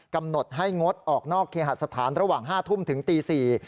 กำหนดให้งดออกนอกเคหสถานระหว่าง๕ทุ่มถึงตี๔